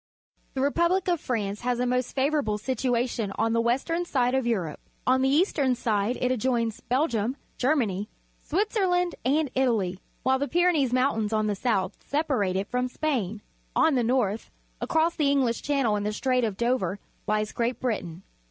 — The re public of France has a most favourable situation on the western side of Europe. On the eastern side it adjoins Belgium, Ger many, Switzerland, and Italy, while the Ptjrenees Mountains on the south separate it from Spain. On the north, across the English Channel and the Strait of Dover, lies Great Britain.